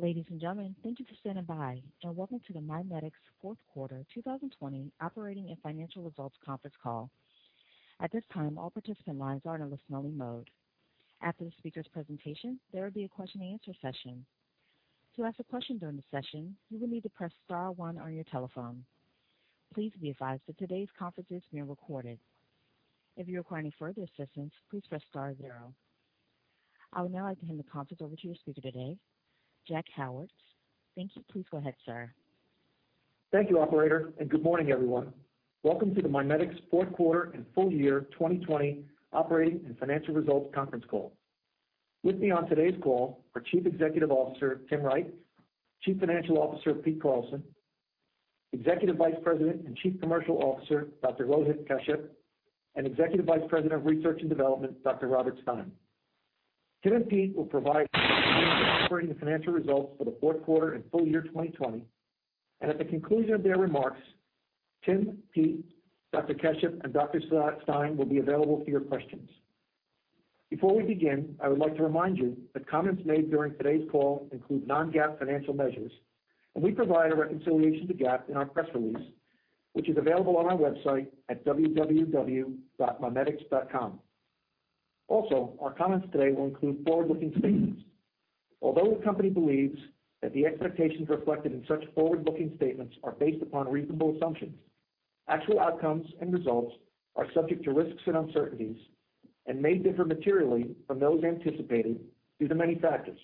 Ladies and gentlemen, thank you for standing by and welcome to the MiMedx Fourth Quarter 2020 Operating and Financial Results Conference Call. At this time, all participant lines are in a listening mode. After the speaker's presentation, there will be a question and answer session. To ask a question during the session, you will need to press star one on your telephone. Please be advised that today's conference is being recorded. If you require any further assistance, please press star zero. I would now like to hand the conference over to your speaker today, Jack Howarth. Thank you. Please go ahead, sir. Thank you, operator. Good morning, everyone. Welcome to the MiMedx fourth quarter and full year 2020 operating and financial results conference call. With me on today's call are Chief Executive Officer, Tim Wright, Chief Financial Officer, Pete Carlson, Executive Vice President and Chief Commercial Officer, Dr. Rohit Kashyap, and Executive Vice President of Research and Development, Dr. Robert Stein. Tim and Pete will provide operating and financial results for the fourth quarter and full year 2020. At the conclusion of their remarks, Tim, Pete, Dr. Kashyap, and Dr. Stein will be available for your questions. Before we begin, I would like to remind you that comments made during today's call include non-GAAP financial measures, and we provide a reconciliation to GAAP in our press release, which is available on our website at www.mimedx.com. Also, our comments today will include forward-looking statements. Although the company believes that the expectations reflected in such forward-looking statements are based upon reasonable assumptions, actual outcomes and results are subject to risks and uncertainties and may differ materially from those anticipated due to many factors.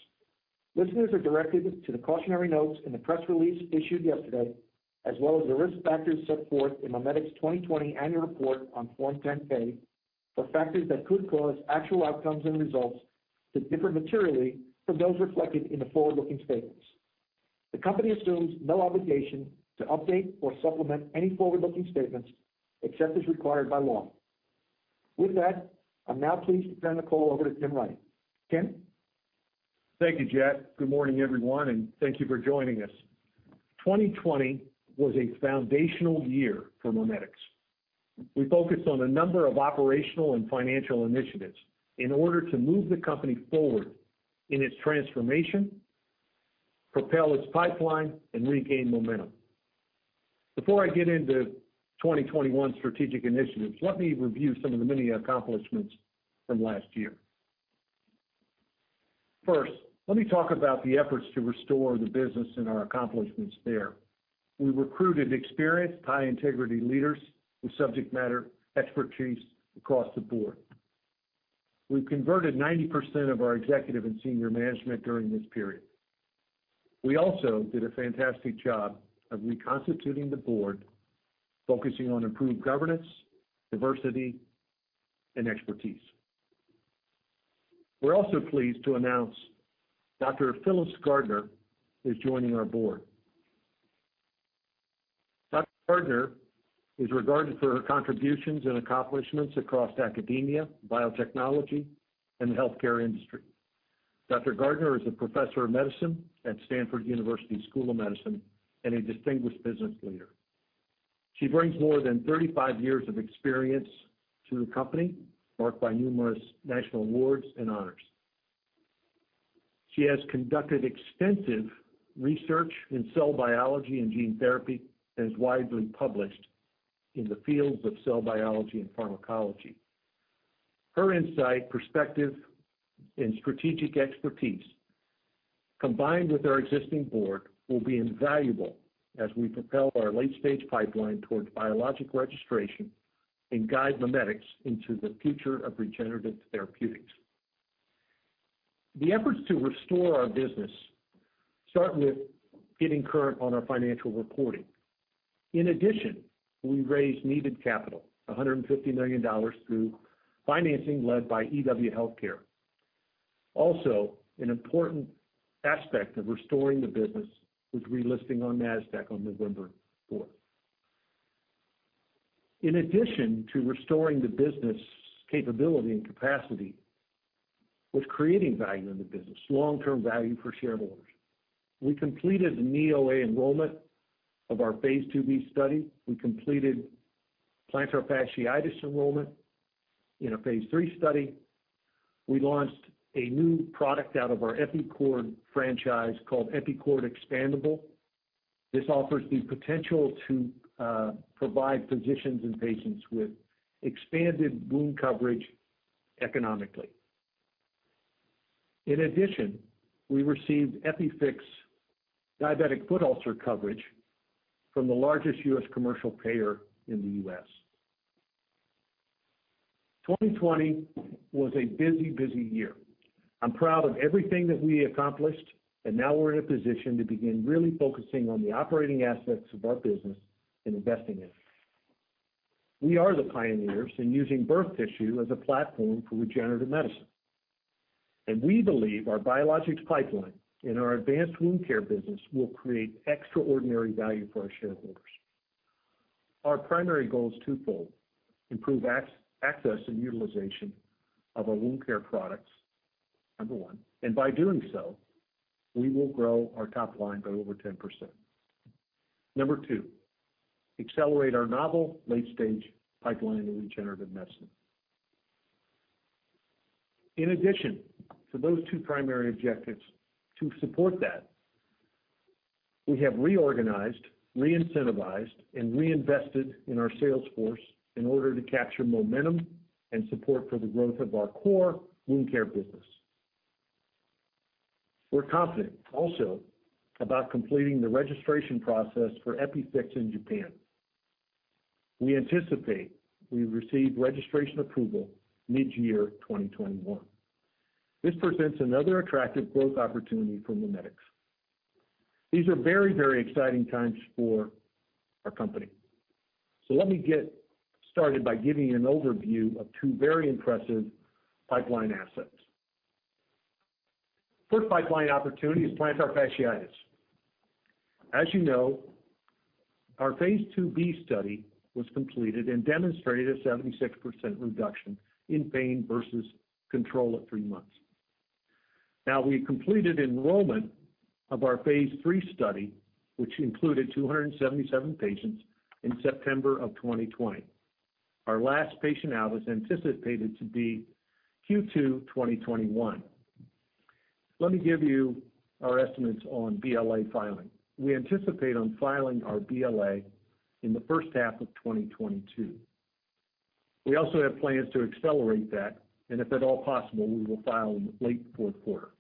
Listeners are directed to the cautionary notes in the press release issued yesterday, as well as the risk factors set forth in MiMedx 2020 annual report on Form 10-K for factors that could cause actual outcomes and results to differ materially from those reflected in the forward-looking statements. The company assumes no obligation to update or supplement any forward-looking statements except as required by law. With that, I'm now pleased to turn the call over to Tim Wright. Tim? Thank you, Jack. Good morning, everyone, and thank you for joining us. 2020 was a foundational year for MiMedx. We focused on a number of operational and financial initiatives in order to move the company forward in its transformation, propel its pipeline, and regain momentum. Before I get into 2021 strategic initiatives, let me review some of the many accomplishments from last year. First, let me talk about the efforts to restore the business and our accomplishments there. We recruited experienced, high-integrity leaders with subject matter expertise across the board. We've converted 90% of our executive and senior management during this period. We also did a fantastic job of reconstituting the board, focusing on improved governance, diversity, and expertise. We're also pleased to announce Dr. Phyllis Gardner is joining our Board. Dr. Gardner is regarded for her contributions and accomplishments across academia, biotechnology, and the healthcare industry. Dr. Gardner is a Professor of Medicine at Stanford University School of Medicine and a distinguished business leader. She brings more than 35 years of experience to the company, marked by numerous national awards and honors. She has conducted extensive research in cell biology and gene therapy and is widely published in the fields of cell biology and pharmacology. Her insight, perspective, and strategic expertise, combined with our existing board, will be invaluable as we propel our late-stage pipeline towards biologic registration and guide MiMedx into the future of regenerative therapeutics. The efforts to restore our business start with getting current on our financial reporting. In addition, we raised needed capital, $150 million, through financing led by EW Healthcare. Also, an important aspect of restoring the business was relisting on Nasdaq on November fourth. In addition to restoring the business capability and capacity with creating value in the business, long-term value for shareholders, we completed our Knee OA enrollment of our phase II-B study. We completed plantar fasciitis enrollment in a phase III study. We launched a new product out of our EPICORD franchise called EPICORD Expandable. This offers the potential to provide physicians and patients with expanded wound coverage economically. In addition, we received EPIFIX diabetic foot ulcer coverage from the largest U.S. commercial payer in the U.S. 2020 was a busy year. I'm proud of everything that we accomplished. Now we're in a position to begin really focusing on the operating aspects of our business and investing in it. We are the pioneers in using birth tissue as a platform for regenerative medicine. We believe our biologics pipeline and our advanced wound care business will create extraordinary value for our shareholders. Our primary goal is twofold. Improve access and utilization of our wound care products, number one, and by doing so, we will grow our top line by over 10%. Number two, accelerate our novel late-stage pipeline in regenerative medicine. In addition to those two primary objectives, to support that, we have reorganized, reincentivized, and reinvested in our sales force in order to capture momentum and support for the growth of our core wound care business. We're confident also about completing the registration process for EPIFIX in Japan. We anticipate we receive registration approval mid-year 2021. This presents another attractive growth opportunity for MiMedx. These are very exciting times for our company. Let me get started by giving you an overview of two very impressive pipeline assets. First pipeline opportunity is plantar fasciitis. As you know, our phase II-B study was completed and demonstrated a 76% reduction in pain versus control at three months. We've completed enrollment of our phase III study, which included 277 patients in September of 2020. Our last patient out is anticipated to be Q2 2021. Let me give you our estimates on BLA filing. We anticipate on filing our BLA in the first half of 2022. We also have plans to accelerate that, if at all possible, we will file in late fourth quarter.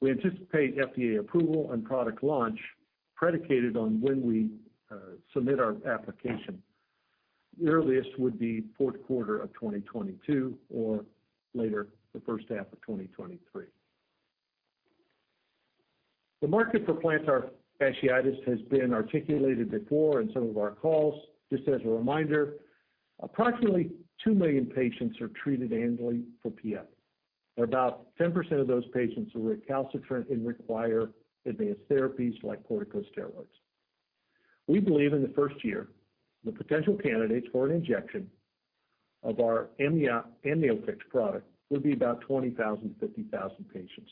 We anticipate FDA approval and product launch predicated on when we submit our application. The earliest would be fourth quarter of 2022 or later, the first half of 2023. The market for plantar fasciitis has been articulated before in some of our calls. Just as a reminder, approximately two million patients are treated annually for PF. About 10% of those patients are recalcitrant and require advanced therapies like corticosteroids. We believe in the first year, the potential candidates for an injection of our AmnioFix product would be about 20,000-50,000 patients.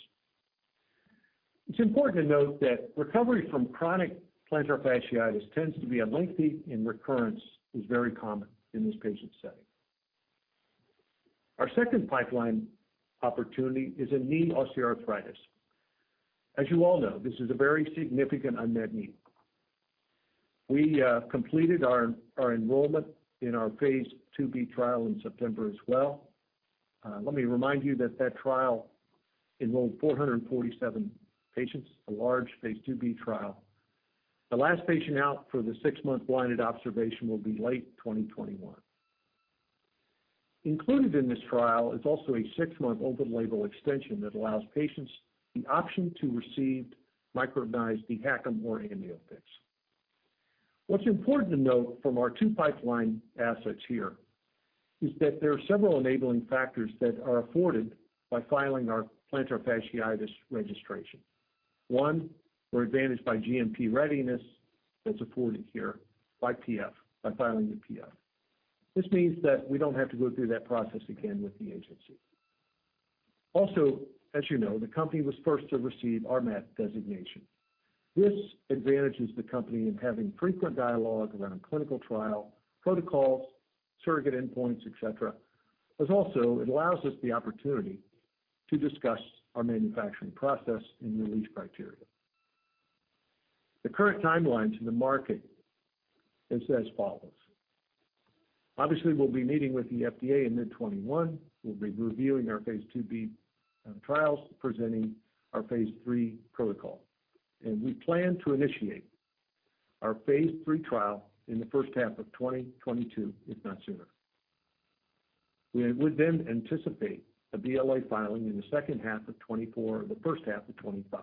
It's important to note that recovery from chronic plantar fasciitis tends to be lengthy, and recurrence is very common in this patient setting. Our second pipeline opportunity is in knee osteoarthritis. You all know, this is a very significant unmet need. We completed our enrollment in our phase II-B trial in September as well. Let me remind you that that trial enrolled 447 patients, a large phase II-B trial. The last patient out for the six-month blinded observation will be late 2021. Included in this trial is also a six-month open label extension that allows patients the option to receive micronized dehydrated human amnion/chorion membrane or AmnioFix. What's important to note from our two pipeline assets here is that there are several enabling factors that are afforded by filing our plantar fasciitis registration. One, we're advantaged by GMP readiness that's afforded here by filing the PF. This means that we don't have to go through that process again with the agency. As you know, the company was first to receive RMAT designation. This advantages the company in having frequent dialogue around clinical trial protocols, surrogate endpoints, et cetera. It also allows us the opportunity to discuss our manufacturing process and release criteria. The current timelines in the market is as follows. We'll be meeting with the FDA in mid 2021. We'll be reviewing our phase II-B trials, presenting our phase III protocol, and we plan to initiate our phase III trial in the first half of 2022, if not sooner. We would anticipate a BLA filing in the second half of 2024 or the first half of 2025.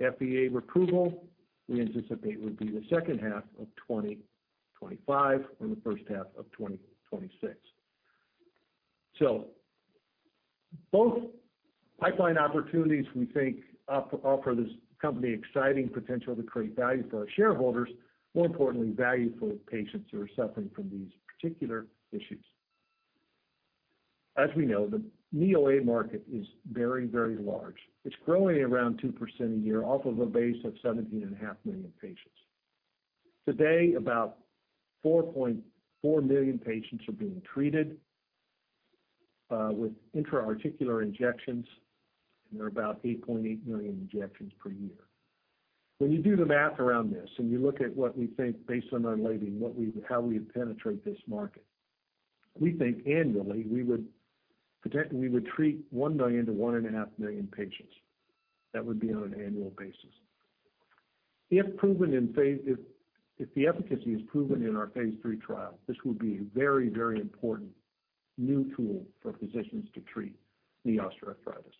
FDA approval, we anticipate would be the second half of 2025 or the first half of 2026. Both pipeline opportunities we think offer this company exciting potential to create value for our shareholders, more importantly, value for patients who are suffering from these particular issues. As we know, the Knee OA market is very large. It's growing at around 2% a year off of a base of 17.5 million patients. Today, about 4.4 million patients are being treated with intra-articular injections, and there are about 8.8 million injections per year. When you do the math around this and you look at what we think based on our labeling, how we penetrate this market, we think annually, we would treat 1 million-1.5 million patients. That would be on an annual basis. If the efficacy is proven in our phase III trial, this would be a very important new tool for physicians to treat knee osteoarthritis.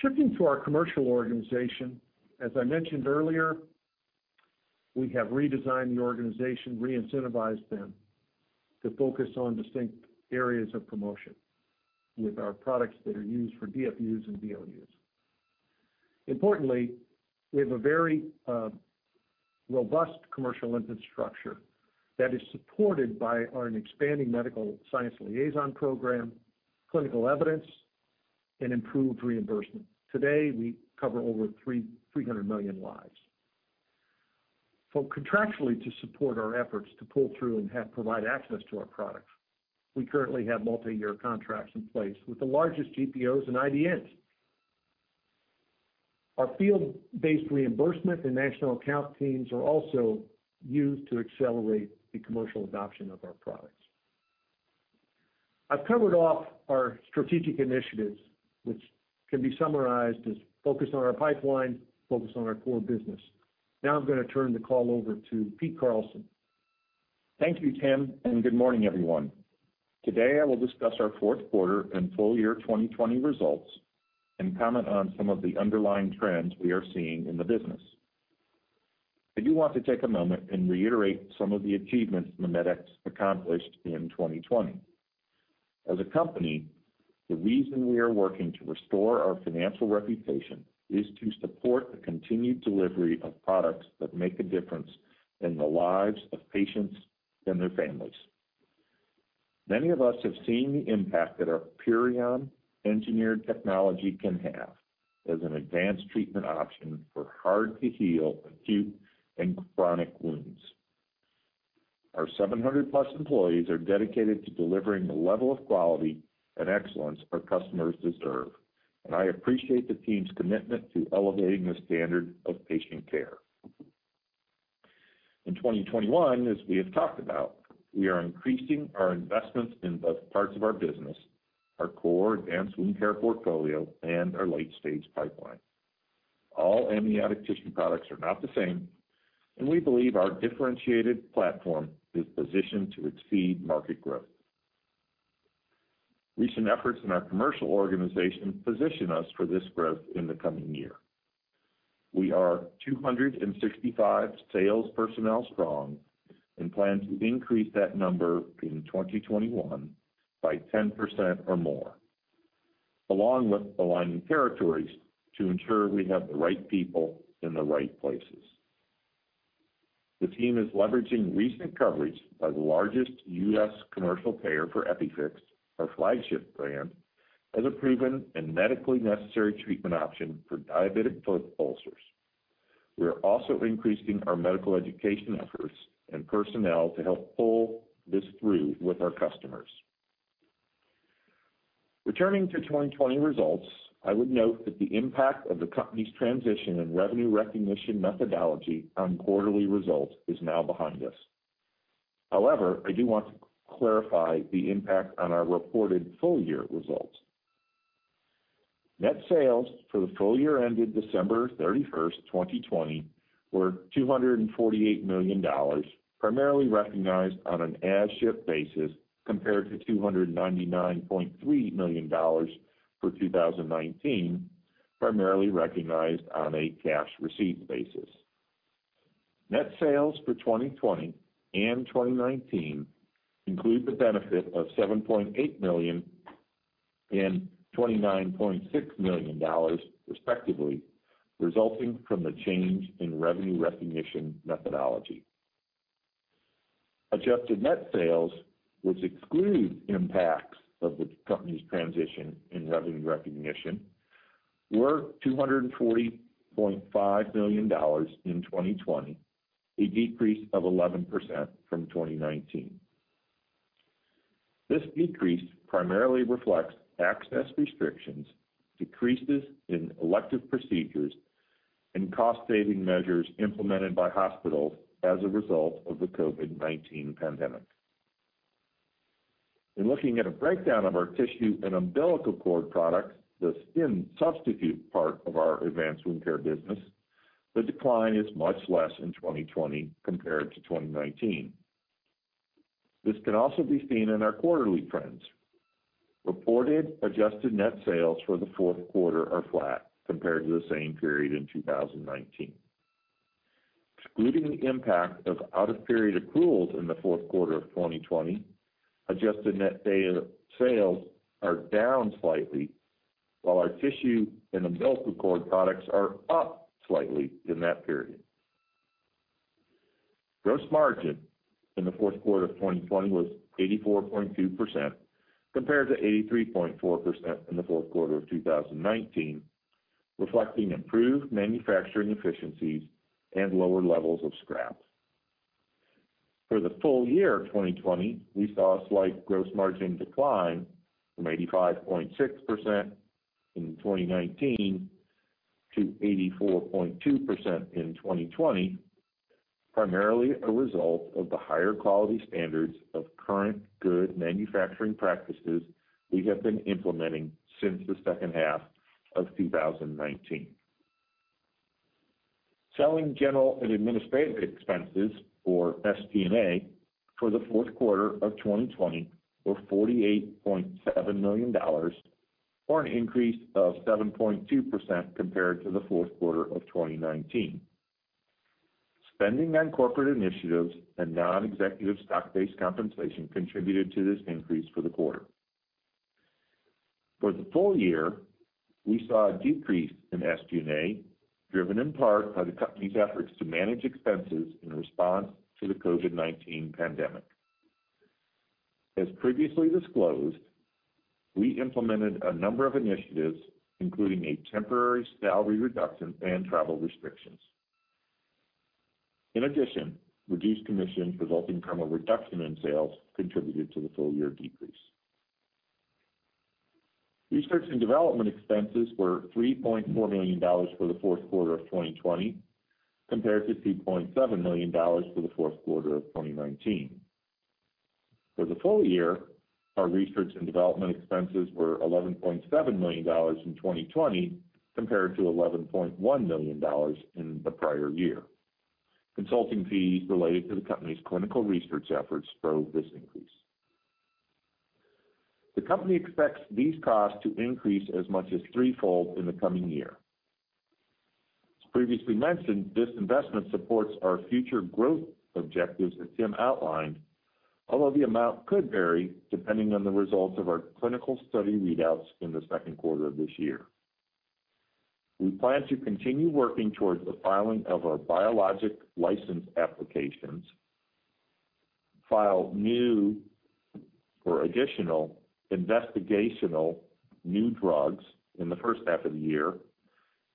Shifting to our commercial organization, as I mentioned earlier, we have redesigned the organization, reincentivized them to focus on distinct areas of promotion with our products that are used for DFUs and VLUs. We have a very robust commercial infrastructure that is supported by our expanding medical science liaison program, clinical evidence, and improved reimbursement. Today, we cover over 300 million lives. Contractually to support our efforts to pull through and provide access to our products, we currently have multi-year contracts in place with the largest GPOs and IDNs. Our field-based reimbursement and national account teams are also used to accelerate the commercial adoption of our products. I've covered off our strategic initiatives, which can be summarized as focused on our pipeline, focused on our core business. I'm going to turn the call over to Pete Carlson. Thank you, Tim, and good morning, everyone. Today, I will discuss our fourth quarter and full year 2020 results and comment on some of the underlying trends we are seeing in the business. I do want to take a moment and reiterate some of the achievements MiMedx accomplished in 2020. As a company, the reason we are working to restore our financial reputation is to support the continued delivery of products that make a difference in the lives of patients and their families. Many of us have seen the impact that our PURION engineered technology can have as an advanced treatment option for hard-to-heal acute and chronic wounds. Our 700+ employees are dedicated to delivering the level of quality and excellence our customers deserve, and I appreciate the team's commitment to elevating the standard of patient care. In 2021, as we have talked about, we are increasing our investments in both parts of our business, our core advanced wound care portfolio, and our late-stage pipeline. All amniotic tissue products are not the same, we believe our differentiated platform is positioned to exceed market growth. Recent efforts in our commercial organization position us for this growth in the coming year. We are 265 sales personnel strong and plan to increase that number in 2021 by 10% or more, along with aligning territories to ensure we have the right people in the right places. The team is leveraging recent coverage by the largest U.S. commercial payer for EPIFIX, our flagship brand, as a proven and medically necessary treatment option for diabetic foot ulcers. We are also increasing our medical education efforts and personnel to help pull this through with our customers. Returning to 2020 results, I would note that the impact of the company's transition and revenue recognition methodology on quarterly results is now behind us. I do want to clarify the impact on our reported full-year results. Net sales for the full year ended December 31st, 2020, were $248 million, primarily recognized on an as-shipped basis, compared to $299.3 million for 2019, primarily recognized on a cash received basis. Net sales for 2020 and 2019 include the benefit of $7.8 million and $29.6 million, respectively, resulting from the change in revenue recognition methodology. Adjusted net sales, which exclude impacts of the company's transition and revenue recognition, were $240.5 million in 2020, a decrease of 11% from 2019. This decrease primarily reflects access restrictions, decreases in elective procedures, and cost-saving measures implemented by hospitals as a result of the COVID-19 pandemic. In looking at a breakdown of our tissue and umbilical cord products, the skin substitute part of our advanced wound care business, the decline is much less in 2020 compared to 2019. This can also be seen in our quarterly trends. Reported adjusted net sales for the fourth quarter are flat compared to the same period in 2019. Excluding the impact of out-of-period accruals in the fourth quarter of 2020, adjusted net sales are down slightly, while our tissue and umbilical cord products are up slightly in that period. Gross margin in the fourth quarter of 2020 was 84.2%, compared to 83.4% in the fourth quarter of 2019, reflecting improved manufacturing efficiencies and lower levels of scrap. For the full year of 2020, we saw a slight gross margin decline from 85.6% in 2019 to 84.2% in 2020, primarily a result of the higher quality standards of Current Good Manufacturing Practices we have been implementing since the second half of 2019. Selling, general, and administrative expenses, or SG&A, for the fourth quarter of 2020 were $48.7 million, or an increase of 7.2% compared to the fourth quarter of 2019. Spending on corporate initiatives and non-executive stock-based compensation contributed to this increase for the quarter. For the full year, we saw a decrease in SG&A, driven in part by the company's efforts to manage expenses in response to the COVID-19 pandemic. As previously disclosed, we implemented a number of initiatives, including a temporary salary reduction and travel restrictions. In addition, reduced commissions resulting from a reduction in sales contributed to the full-year decrease. Research and development expenses were $3.4 million for the fourth quarter of 2020, compared to $2.7 million for the fourth quarter of 2019. For the full year, our research and development expenses were $11.7 million in 2020 compared to $11.1 million in the prior year. Consulting fees related to the company's clinical research efforts drove this increase. The company expects these costs to increase as much as threefold in the coming year. As previously mentioned, this investment supports our future growth objectives that Tim outlined, although the amount could vary depending on the results of our clinical study readouts in the second quarter of this year. We plan to continue working towards the filing of our biologic license applications, file new or additional investigational new drugs in the first half of the year,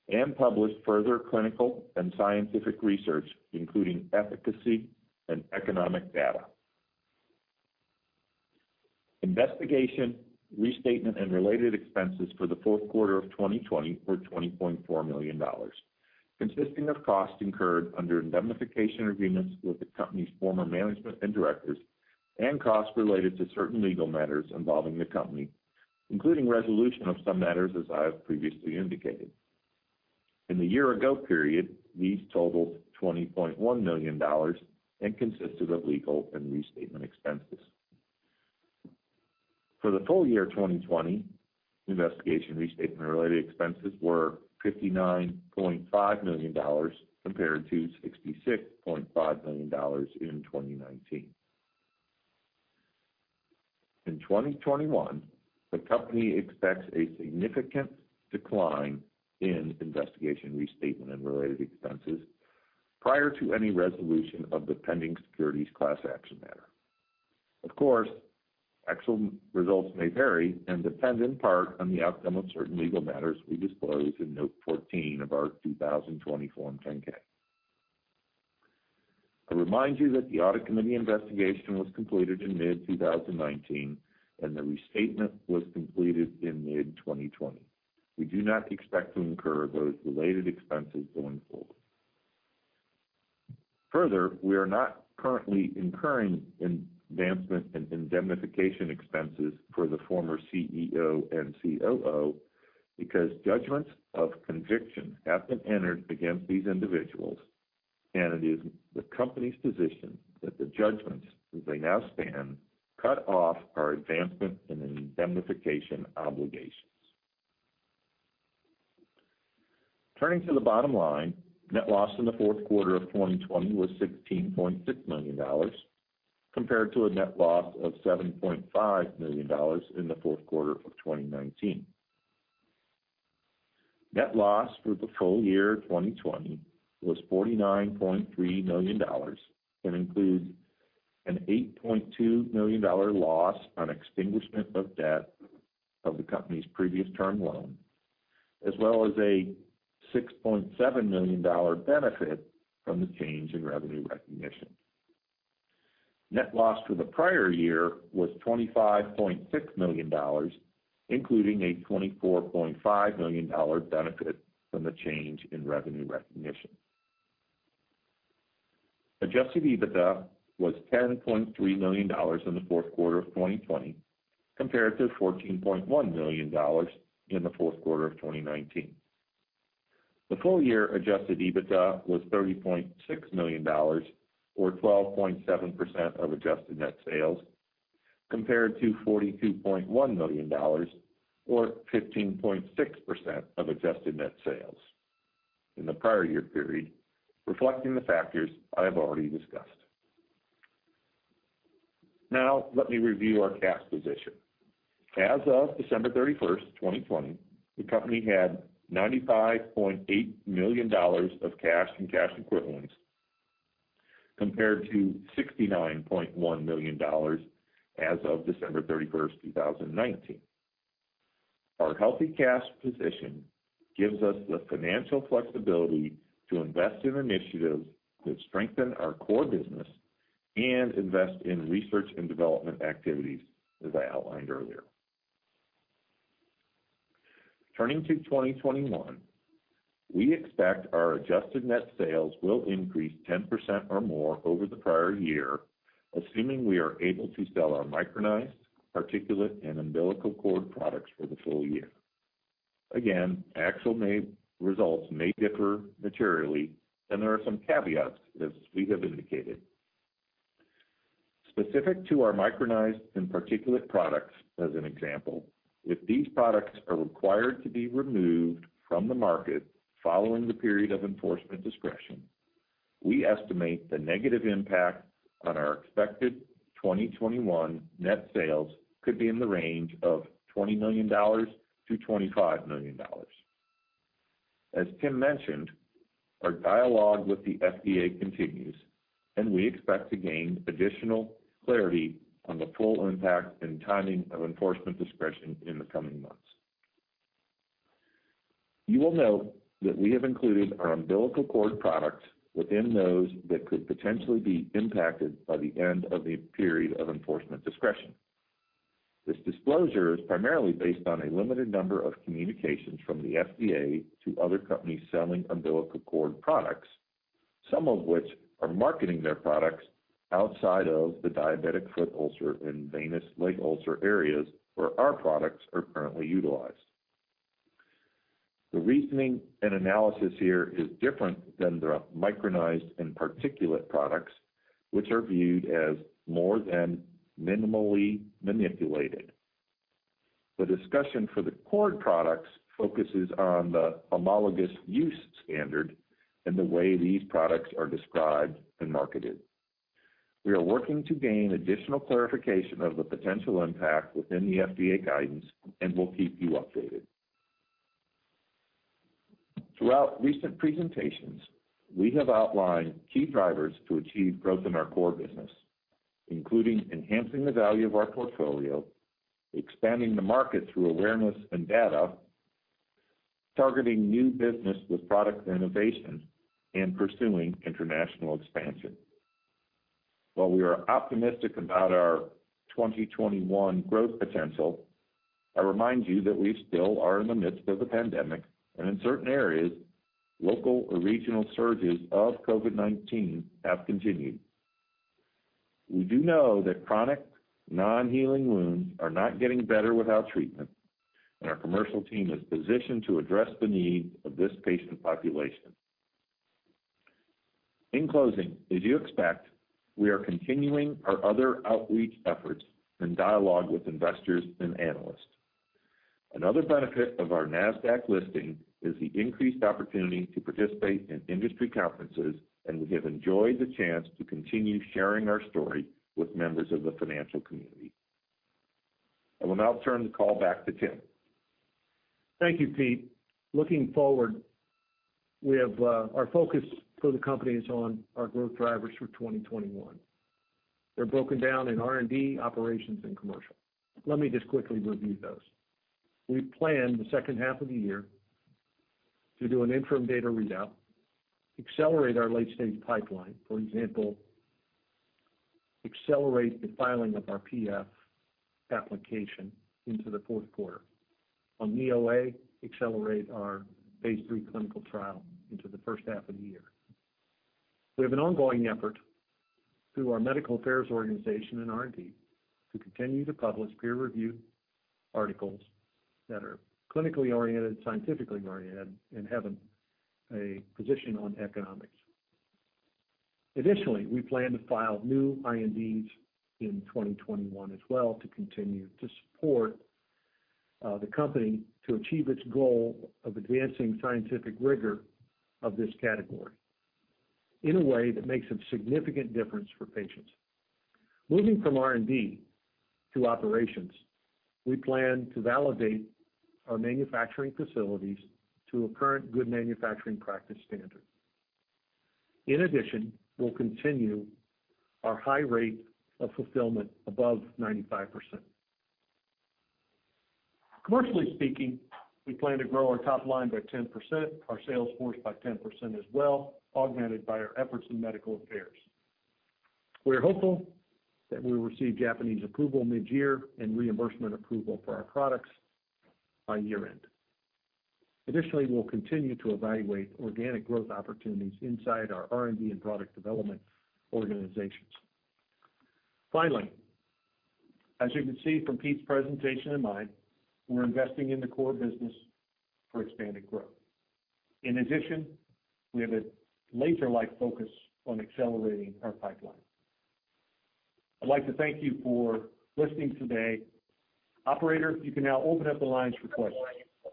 and publish further clinical and scientific research, including efficacy and economic data. Investigation, restatement, and related expenses for the fourth quarter of 2020 were $20.4 million, consisting of costs incurred under indemnification agreements with the company's former management and directors and costs related to certain legal matters involving the company, including resolution of some matters as I have previously indicated. In the year-ago period, these totaled $20.1 million and consisted of legal and restatement expenses. For the full year 2020, investigation, restatement, and related expenses were $59.5 million compared to $66.5 million in 2019. In 2021, the company expects a significant decline in investigation, restatement, and related expenses prior to any resolution of the pending securities class action matter. Of course, actual results may vary and depend in part on the outcome of certain legal matters we disclose in Note 14 of our 2020 Form 10-K. I remind you that the audit committee investigation was completed in mid-2019, and the restatement was completed in mid-2020. We do not expect to incur those related expenses going forward. Further, we are not currently incurring advancement and indemnification expenses for the former CEO and COO because judgments of conviction have been entered against these individuals, and it is the company's position that the judgments, as they now stand, cut off our advancement and indemnification obligations. Turning to the bottom line, net loss in the fourth quarter of 2020 was $16.6 million, compared to a net loss of $7.5 million in the fourth quarter of 2019. Net loss for the full year 2020 was $49.3 million and includes an $8.2 million loss on extinguishment of debt of the company's previous term loan, as well as a $6.7 million benefit from the change in revenue recognition. Net loss for the prior year was $25.6 million, including a $24.5 million benefit from the change in revenue recognition. Adjusted EBITDA was $10.3 million in the fourth quarter of 2020 compared to $14.1 million in the fourth quarter of 2019. The full year adjusted EBITDA was $30.6 million or 12.7% of adjusted net sales, compared to $42.1 million or 15.6% of adjusted net sales in the prior year period, reflecting the factors I have already discussed. Now let me review our cash position. As of December 31st, 2020, the company had $95.8 million of cash and cash equivalents, compared to $69.1 million as of December 31st, 2019. Our healthy cash position gives us the financial flexibility to invest in initiatives that strengthen our core business and invest in research and development activities, as I outlined earlier. Turning to 2021, we expect our adjusted net sales will increase 10% or more over the prior year, assuming we are able to sell our micronized, particulate, and umbilical cord products for the full year. Again, actual results may differ materially, and there are some caveats as we have indicated. Specific to our micronized and particulate products, as an example, if these products are required to be removed from the market following the period of enforcement discretion, we estimate the negative impact on our expected 2021 net sales could be in the range of $20 million-$25 million. As Tim mentioned, our dialogue with the FDA continues, and we expect to gain additional clarity on the full impact and timing of enforcement discretion in the coming months. You will note that we have included our umbilical cord products within those that could potentially be impacted by the end of the period of enforcement discretion. This disclosure is primarily based on a limited number of communications from the FDA to other companies selling umbilical cord products, some of which are marketing their products outside of the diabetic foot ulcer and venous leg ulcer areas where our products are currently utilized. The reasoning and analysis here is different than the micronized and particulate products, which are viewed as more than minimally manipulated. The discussion for the cord products focuses on the homologous use standard and the way these products are described and marketed. We are working to gain additional clarification of the potential impact within the FDA guidance and will keep you updated. Throughout recent presentations, we have outlined key drivers to achieve growth in our core business, including enhancing the value of our portfolio, expanding the market through awareness and data, targeting new business with product innovation, and pursuing international expansion. While we are optimistic about our 2021 growth potential, I remind you that we still are in the midst of the pandemic, and in certain areas, local or regional surges of COVID-19 have continued. We do know that chronic non-healing wounds are not getting better without treatment, and our commercial team is positioned to address the needs of this patient population. In closing, as you expect, we are continuing our other outreach efforts and dialogue with investors and analysts. Another benefit of our NASDAQ listing is the increased opportunity to participate in industry conferences, and we have enjoyed the chance to continue sharing our story with members of the financial community. I will now turn the call back to Tim. Thank you, Pete. Looking forward, our focus for the company is on our growth drivers for 2021. They're broken down in R&D, operations, and commercial. Let me just quickly review those. We plan the second half of the year to do an interim data readout, accelerate our late-stage pipeline. For example, accelerate the filing of our PF application into the fourth quarter. On Knee OA, accelerate our phase III clinical trial into the first half of the year. We have an ongoing effort through our medical affairs organization and R&D to continue to publish peer-review articles that are clinically oriented, scientifically oriented, and have a position on economics. Additionally, we plan to file new INDs in 2021 as well to continue to support the company to achieve its goal of advancing scientific rigor of this category in a way that makes a significant difference for patients. Moving from R&D to operations, we plan to validate our manufacturing facilities to a Current Good Manufacturing Practice standard. In addition, we'll continue our high rate of fulfillment above 95%. Commercially speaking, we plan to grow our top line by 10%, our sales force by 10% as well, augmented by our efforts in medical affairs. We are hopeful that we will receive Japanese approval mid-year and reimbursement approval for our products by year-end. Additionally, we'll continue to evaluate organic growth opportunities inside our R&D and product development organizations. Finally, as you can see from Pete's presentation and mine, we're investing in the core business for expanded growth. In addition, we have a laser-like focus on accelerating our pipeline. I'd like to thank you for listening today. Operator, you can now open up the lines for questions.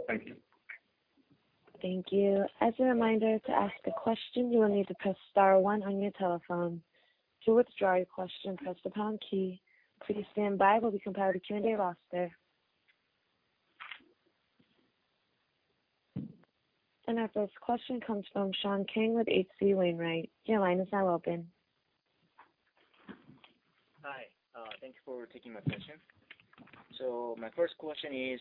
Thank you. Thank you. As a reminder, to ask a question, you will need to press star one on your telephone. To withdraw your question, press the pound key. Please stand by while we compile the Q&A roster. Our first question comes from Sean King with H.C. Wainwright. Your line is now open. Hi. Thank you for taking my question. My first question is,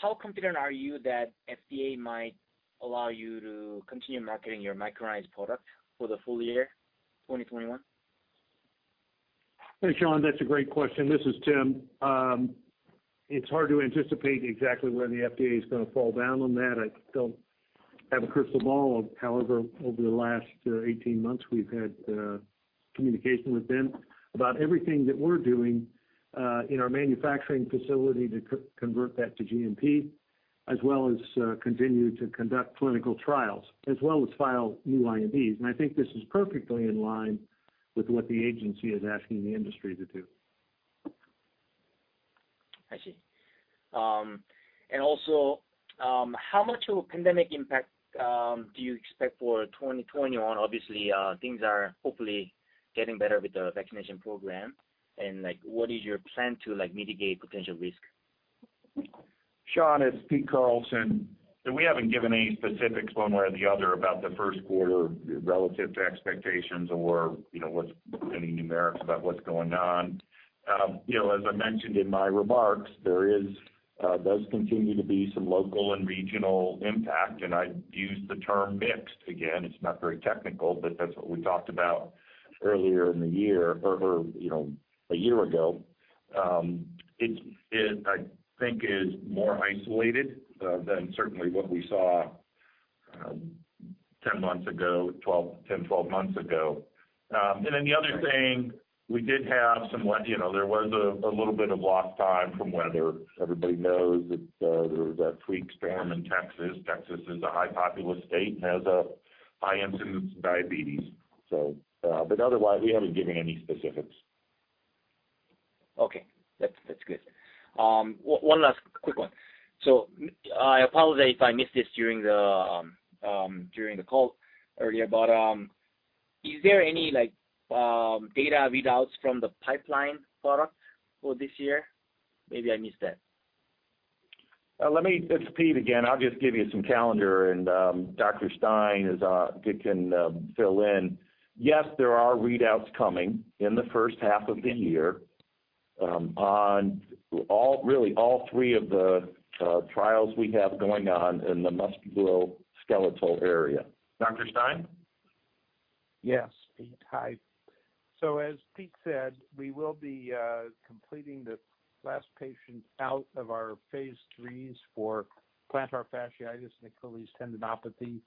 how confident are you that FDA might allow you to continue marketing your micronized product for the full year 2021? Hey, Sean, that's a great question. This is Tim. It's hard to anticipate exactly where the FDA is going to fall down on that. I don't have a crystal ball. However, over the last 18 months, we've had communication with them about everything that we're doing in our manufacturing facility to convert that to GMP, as well as continue to conduct clinical trials, as well as file new INDs. I think this is perfectly in line with what the agency is asking the industry to do. I see. How much pandemic impact do you expect for 2021, obviously things are hopefully getting better with the vaccination program? What is your plan to mitigate potential risk? Sean, it's Pete Carlson. We haven't given any specifics one way or the other about the first quarter relative to expectations or what's any numerics about what's going on. As I mentioned in my remarks, there does continue to be some local and regional impact, and I'd use the term mixed again. It's not very technical, that's what we talked about earlier in the year or a year ago. It, I think, is more isolated than certainly what we saw 10 months ago, 12 months ago. The other thing, there was a little bit of lost time from weather. Everybody knows that there was that freak storm in Texas. Texas is a high populous state and has a high incidence of diabetes. Otherwise, we haven't given any specifics. Okay. That's good. One last quick one. I apologize if I missed this during the call earlier, is there any data readouts from the pipeline product for this year? Maybe I missed that. It's Pete again. I'll just give you some calendar and Dr. Stein can fill in. Yes, there are readouts coming in the first half of the year on really all three of the trials we have going on in the musculoskeletal area. Dr. Stein? Yes, Pete. Hi. As Pete said, we will be completing the last patient out of our phase III for plantar fasciitis and Achilles tendinopathy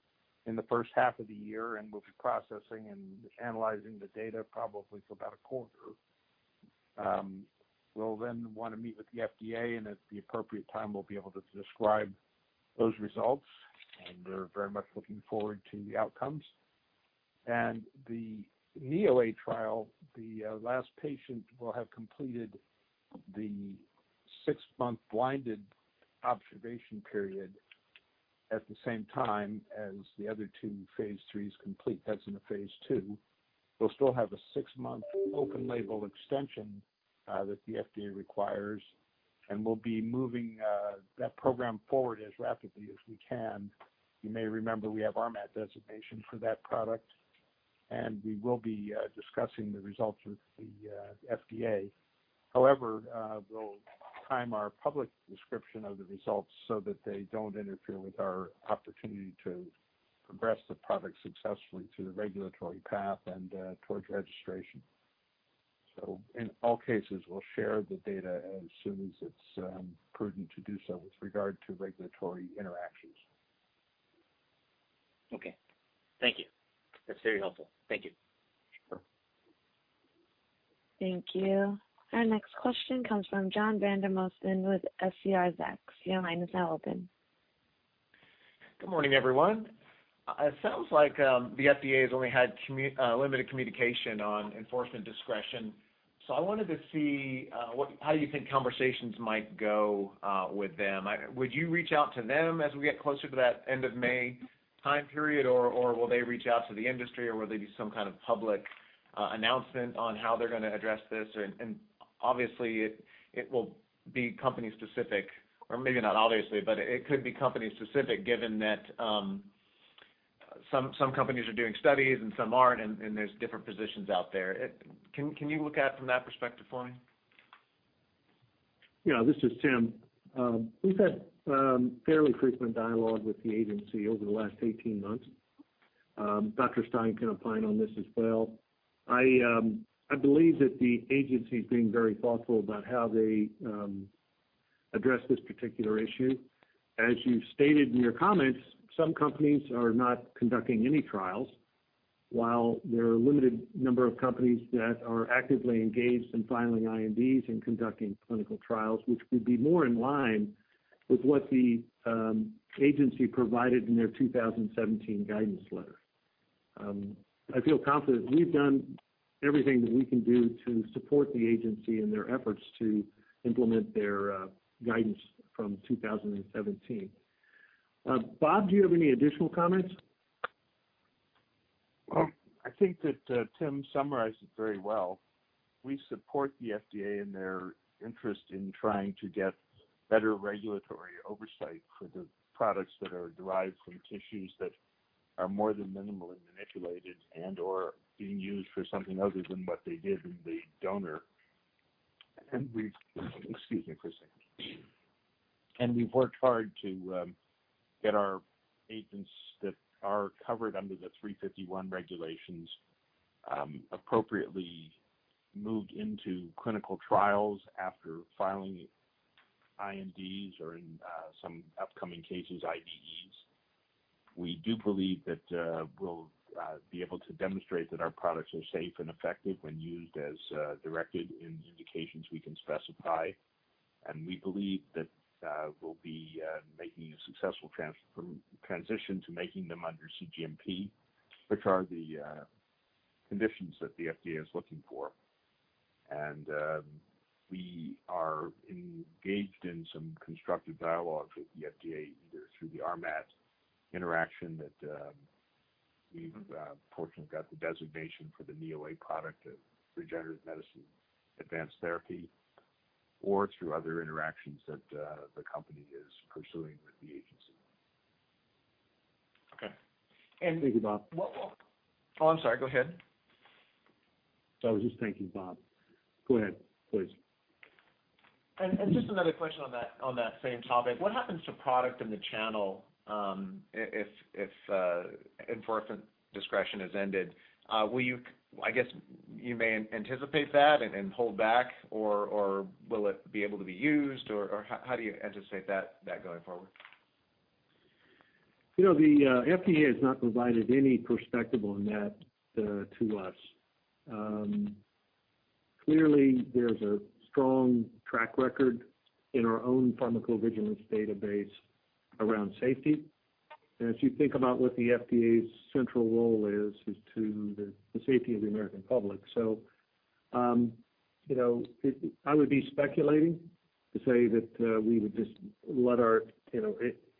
in the first half of the year, and we'll be processing and analyzing the data probably for about a quarter. We'll then want to meet with the FDA. At the appropriate time, we'll be able to describe those results. We're very much looking forward to the outcomes. The Knee OA trial, the last patient will have completed the six-month blinded observation period at the same time as the other two phase III complete. That's in the phase II. We'll still have a six-month open label extension that the FDA requires. We'll be moving that program forward as rapidly as we can. You may remember we have RMAT designation for that product. We will be discussing the results with the FDA. We'll time our public description of the results so that they don't interfere with our opportunity to progress the product successfully through the regulatory path and towards registration. In all cases, we'll share the data as soon as it's prudent to do so with regard to regulatory interactions. Okay. Thank you. That's very helpful. Thank you. Sure. Thank you. Our next question comes from John Vandermosten with SCR Zacks. Your line is now open. Good morning, everyone. It sounds like the FDA has only had limited communication on enforcement discretion. I wanted to see how you think conversations might go with them. Would you reach out to them as we get closer to that end of May time period, or will they reach out to the industry, or will they do some kind of public announcement on how they're going to address this? Obviously, it will be company specific, or maybe not obviously, but it could be company specific given that some companies are doing studies and some aren't, and there's different positions out there. Can you look at it from that perspective for me? Yeah, this is Tim. We've had fairly frequent dialogue with the agency over the last 18 months. Dr. Stein can opine on this as well. I believe that the agency's being very thoughtful about how they address this particular issue. As you've stated in your comments, some companies are not conducting any trials, while there are a limited number of companies that are actively engaged in filing INDs and conducting clinical trials, which would be more in line with what the agency provided in their 2017 guidance letter. I feel confident we've done everything that we can do to support the agency in their efforts to implement their guidance from 2017. Bob, do you have any additional comments? I think that Tim summarized it very well. We support the FDA in their interest in trying to get better regulatory oversight for the products that are derived from tissues that are more than minimally manipulated and/or being used for something other than what they did in the donor. Excuse me for a second. We've worked hard to get our agents that are covered under the 351 regulations appropriately moved into clinical trials after filing INDs, or in some upcoming cases, IDEs. We do believe that we'll be able to demonstrate that our products are safe and effective when used as directed in the indications we can specify, and we believe that we'll be making a successful transition to making them under cGMP, which are the conditions that the FDA is looking for. We are engaged in some constructive dialogues with the FDA, either through the RMAT interaction that we've fortunately got the designation for the Knee OA product of Regenerative Medicine Advanced Therapy, or through other interactions that the company is pursuing with the agency. Okay. Thank you, Bob. Oh, I'm sorry. Go ahead. I was just thanking Bob. Go ahead, please. Just another question on that same topic. What happens to product in the channel if enforcement discretion is ended? I guess you may anticipate that and pull back, or will it be able to be used, or how do you anticipate that going forward? The FDA has not provided any perspective on that to us. Clearly, there's a strong track record in our own pharmacovigilance database around safety. If you think about what the FDA's central role is to the safety of the American public. I would be speculating to say that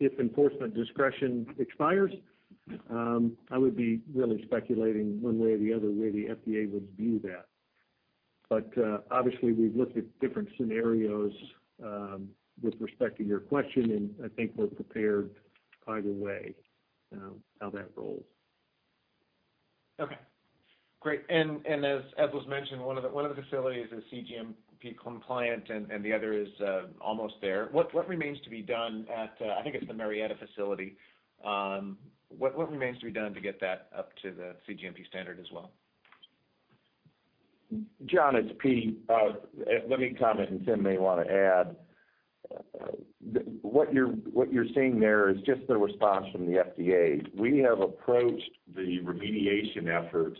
if enforcement discretion expires, I would be really speculating one way or the other way the FDA would view that. Obviously, we've looked at different scenarios with respect to your question, I think we're prepared either way how that rolls. Okay. Great. As was mentioned, one of the facilities is cGMP compliant, and the other is almost there. What remains to be done at, I think it's the Marietta facility? What remains to be done to get that up to the cGMP standard as well? John, it's Pete. Let me comment. Tim may want to add. What you're seeing there is just the response from the FDA. We have approached the remediation efforts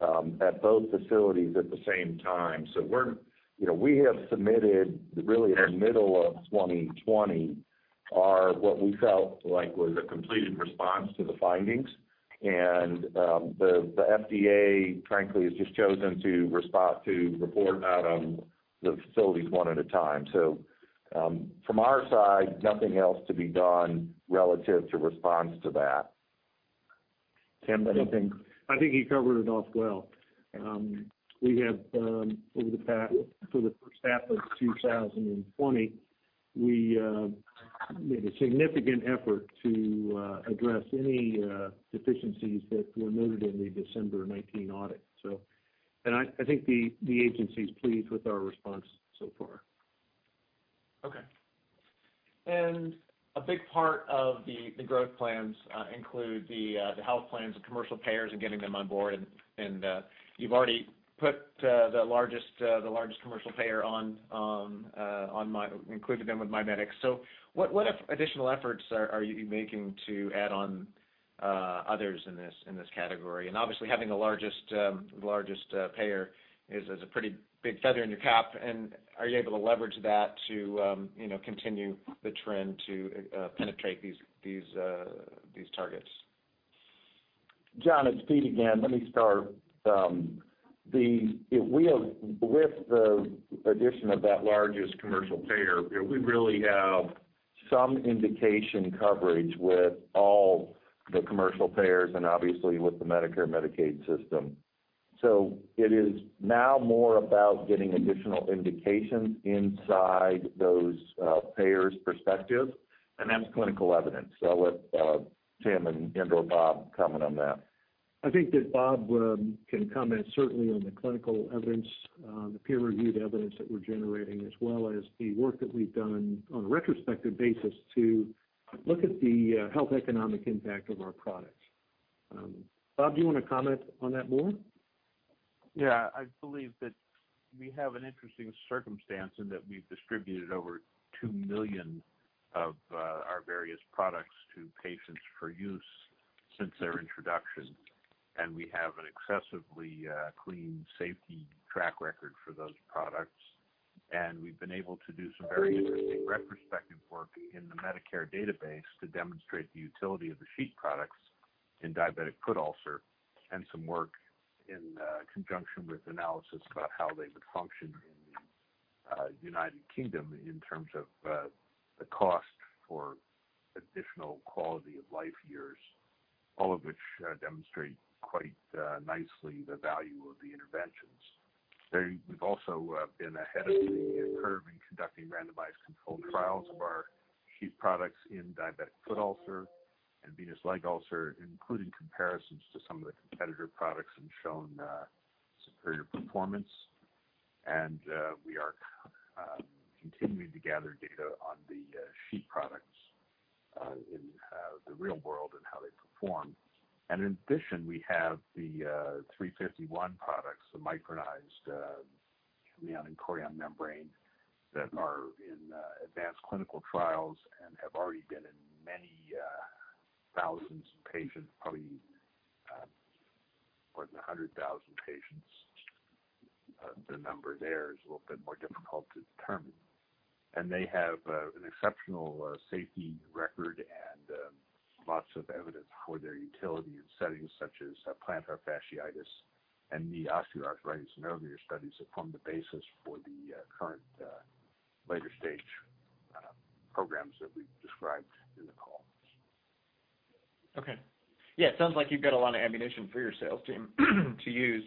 at both facilities at the same time. We have submitted really in the middle of 2020 our what we felt like was a completed response to the findings. The FDA, frankly, has just chosen to respond to, report out on the facilities one at a time. From our side, nothing else to be done relative to response to that. Tim, anything? I think he covered it off well. For the first half of 2020, we made a significant effort to address any deficiencies that were noted in the December 19 audit. I think the agency's pleased with our response so far. Okay. A big part of the growth plans include the health plans of commercial payers and getting them on board, and you've already put the largest commercial payer on, included them with MiMedx. What additional efforts are you making to add on others in this category? Obviously, having the largest payer is a pretty big feather in your cap, and are you able to leverage that to continue the trend to penetrate these targets? John, it's Pete again. Let me start. With the addition of that largest commercial payer, we really have some indication coverage with all the commercial payers and obviously with the Medicare Medicaid system. It is now more about getting additional indications inside those payers' perspective, and that's clinical evidence. I'll let Tim and/or Bob comment on that. I think that Bob can comment certainly on the clinical evidence, the peer-reviewed evidence that we're generating, as well as the work that we've done on a retrospective basis to look at the health economic impact of our products. Bob, do you want to comment on that more? Yeah. I believe that we have an interesting circumstance in that we've distributed over 2 million of our various products to patients for use since their introduction, and we have an excessively clean safety track record for those products. We've been able to do some very interesting retrospective work in the Medicare database to demonstrate the utility of the sheet products in diabetic foot ulcer, and some work in conjunction with analysis about how they would function in the United Kingdom in terms of the cost for additional quality of life years, all of which demonstrate quite nicely the value of the interventions. We've also been ahead of the curve in conducting randomized controlled trials of our sheet products in diabetic foot ulcer and venous leg ulcer, including comparisons to some of the competitor products, and shown superior performance. We are continuing to gather data on the sheet products in the real world and how they perform. In addition, we have the 351 products, the micronized amnion chorion membrane, that are in advanced clinical trials and have already been in many thousands of patients, probably more than 100,000 patients. The number there is a little bit more difficult to determine. They have an exceptional safety record and lots of evidence for their utility in settings such as plantar fasciitis and knee osteoarthritis. Earlier studies have formed the basis for the current later stage programs that we've described in the call. Okay. Yeah, it sounds like you've got a lot of ammunition for your sales team to use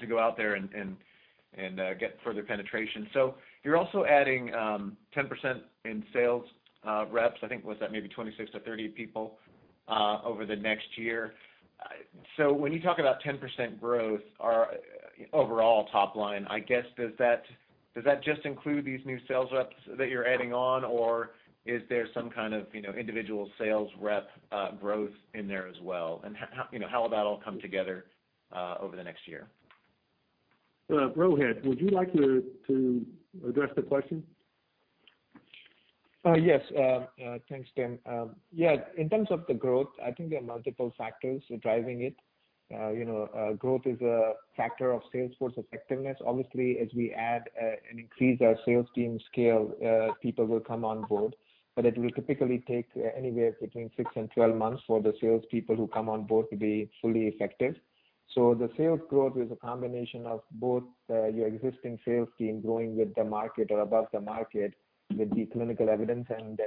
to go out there and get further penetration. You're also adding 10% in sales reps, I think was that maybe 26 to 30 people, over the next year. When you talk about 10% growth, overall top line, I guess, does that just include these new sales reps that you're adding on? Is there some kind of individual sales rep growth in there as well? How will that all come together over the next year? Rohit, would you like to address the question? Yes. Thanks, Tim. Yeah, in terms of the growth, I think there are multiple factors driving it. Growth is a factor of sales force effectiveness. Obviously, as we add and increase our sales team scale, people will come on board. It will typically take anywhere between six and 12 months for the salespeople who come on board to be fully effective. The sales growth is a combination of both your existing sales team growing with the market or above the market with the clinical evidence and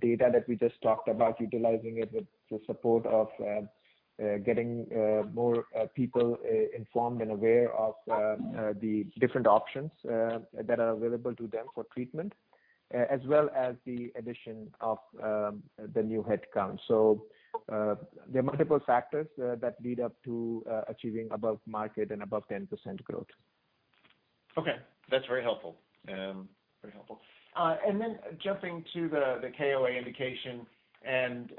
data that we just talked about utilizing it with the support of getting more people informed and aware of the different options that are available to them for treatment, as well as the addition of the new head count. There are multiple factors that lead up to achieving above market and above 10% growth. Okay. That's very helpful. Then jumping to the KOA indication and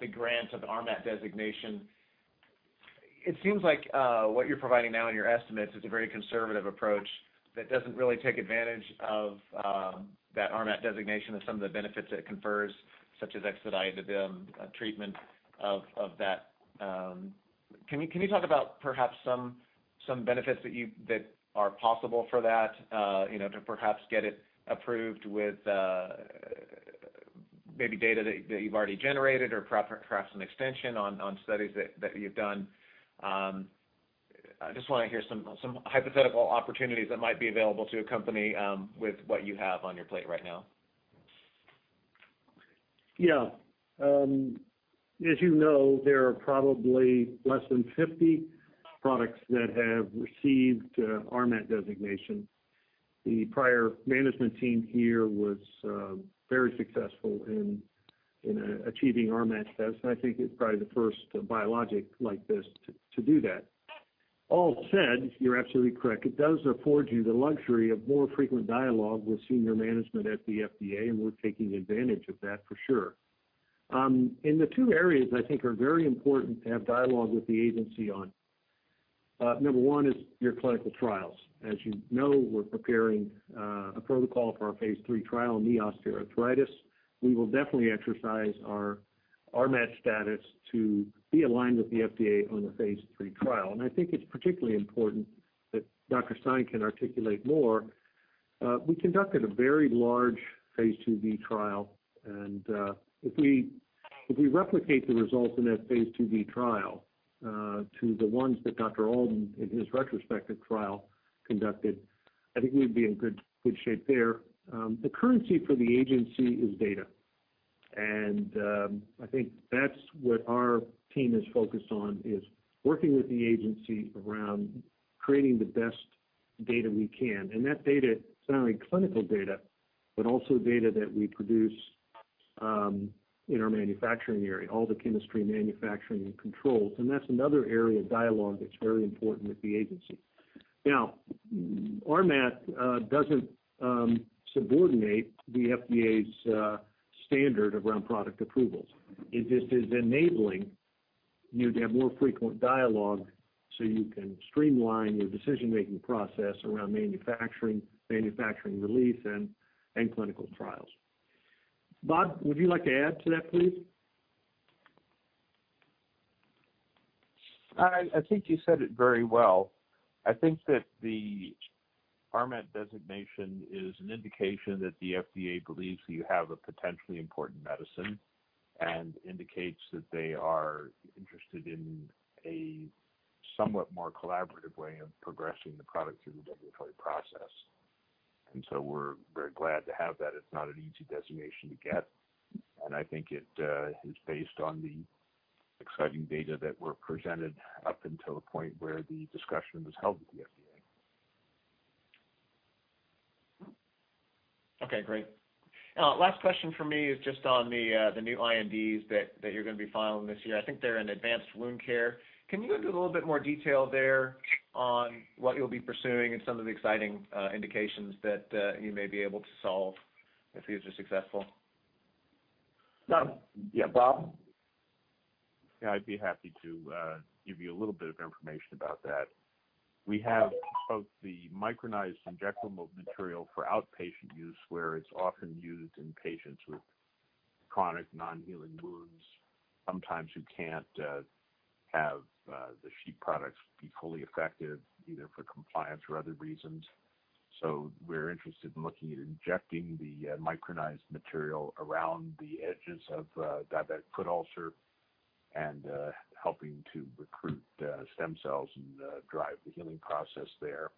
the grant of RMAT designation. It seems like what you're providing now in your estimates is a very conservative approach that doesn't really take advantage of that RMAT designation and some of the benefits it confers, such as expedited treatment of that. Can you talk about perhaps some benefits that are possible for that to perhaps get it approved with maybe data that you've already generated or perhaps an extension on studies that you've done? I just want to hear some hypothetical opportunities that might be available to a company with what you have on your plate right now. As you know, there are probably less than 50 products that have received RMAT designation. The prior management team here was very successful in achieving RMAT status. I think it's probably the first biologic like this to do that. All said, you're absolutely correct. It does afford you the luxury of more frequent dialogue with senior management at the FDA. We're taking advantage of that for sure. The two areas I think are very important to have dialogue with the agency on, number one is your clinical trials. As you know, we're preparing a protocol for our phase III trial, Knee Osteoarthritis. We will definitely exercise our RMAT status to be aligned with the FDA on the phase III trial. I think it's particularly important that Dr. Stein can articulate more. We conducted a very large phase II-B trial, and if we replicate the results in that phase II-B trial to the ones that Dr. Alden in his retrospective trial conducted, I think we'd be in good shape there. The currency for the agency is data, and I think that's what our team is focused on, is working with the agency around creating the best data we can. That data is not only clinical data, but also data that we produce in our manufacturing area, all the chemistry, manufacturing, and controls. That's another area of dialogue that's very important with the agency. RMAT doesn't subordinate the FDA's standard around product approvals. It just is enabling you to have more frequent dialogue so you can streamline your decision-making process around manufacturing release, and clinical trials. Bob, would you like to add to that, please? I think you said it very well. I think that the RMAT designation is an indication that the FDA believes you have a potentially important medicine and indicates that they are interested in a somewhat more collaborative way of progressing the product through the regulatory process. We're very glad to have that. It's not an easy designation to get, and I think it is based on the exciting data that were presented up until the point where the discussion was held with the FDA. Okay, great. Last question from me is just on the new INDs that you're going to be filing this year. I think they're in advanced wound care. Can you go into a little bit more detail there on what you'll be pursuing and some of the exciting indications that you may be able to solve if these are successful? Bob? I'd be happy to give you a little bit of information about that. We have both the micronized injectable material for outpatient use, where it's often used in patients with chronic non-healing wounds. Sometimes you can't have the sheet products be fully effective, either for compliance or other reasons. We're interested in looking at injecting the micronized material around the edges of diabetic foot ulcer and helping to recruit stem cells and drive the healing process there.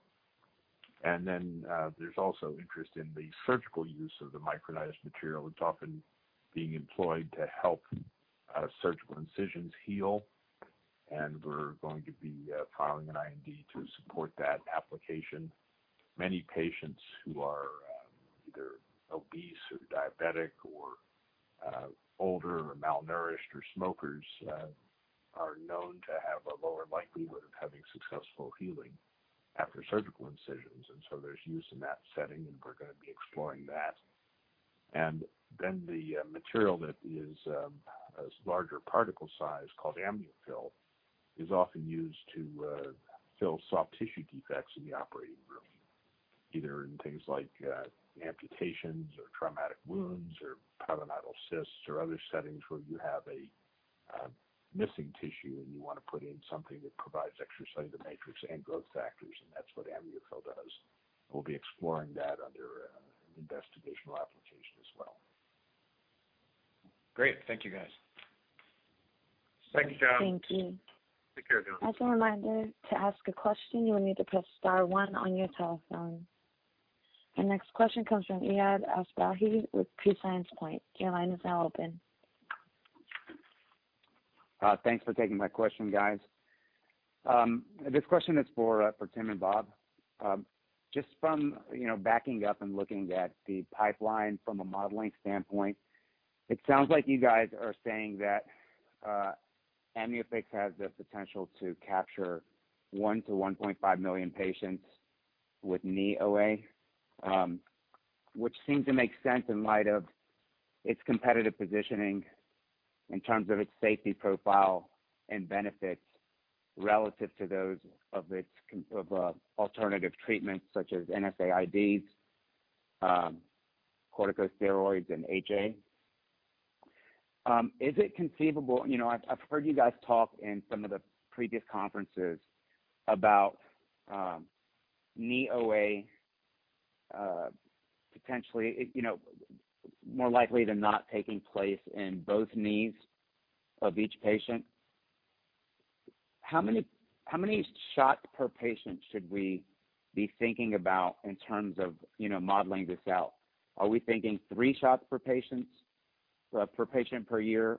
There's also interest in the surgical use of the micronized material. It's often being employed to help surgical incisions heal, and we're going to be filing an IND to support that application. Many patients who are either obese or diabetic or older or malnourished or smokers are known to have a lower likelihood of having successful healing after surgical incisions. There's use in that setting, and we're going to be exploring that. The material that is a larger particle size, called AmnioFill, is often used to fill soft tissue defects in the operating room, either in things like amputations or traumatic wounds or pilonidal cysts or other settings where you have a missing tissue and you want to put in something that provides extracellular matrix and growth factors, and that's what AmnioFill does. We'll be exploring that under an investigational application as well. Great. Thank you, guys. Thanks, John. Thank you. Take care, John. As a reminder, to ask a question, you will need to press star one on your telephone. Our next question comes from Eiad Asbahi with Prescience Point. Your line is now open. Thanks for taking my question, guys. This question is for Tim and Bob. Just from backing up and looking at the pipeline from a modeling standpoint, it sounds like you guys are saying that AmnioFix has the potential to capture one to 1.5 million patients with Knee OA, which seems to make sense in light of its competitive positioning in terms of its safety profile and benefits relative to those of alternative treatments such as NSAID, corticosteroids, and HA. I've heard you guys talk in some of the previous conferences about Knee OA potentially more likely than not taking place in both knees of each patient. How many shots per patient should we be thinking about in terms of modeling this out? Are we thinking three shots per patient per year